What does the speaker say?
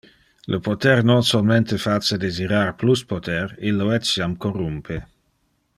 Le poter non solmente face desirar plus poter, illo etiam corrumpe.